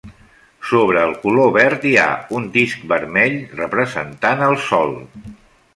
Sobre el color verd hi ha un disc vermell representant el sol.